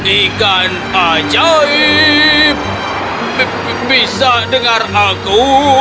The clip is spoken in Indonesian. ikan ajaib bisa dengar aku